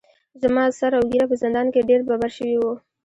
زما سر اوږېره په زندان کې ډیر ببر شوي وو.